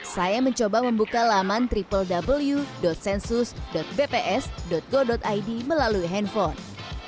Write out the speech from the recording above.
saya mencoba membuka laman www sensus bps go id melalui handphone